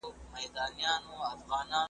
چي هر څو یې وو خپل عقل ځغلولی `